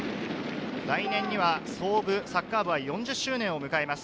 来年には創部、サッカー部は４０周年を迎えます。